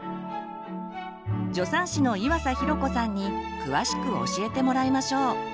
助産師の岩佐寛子さんに詳しく教えてもらいましょう。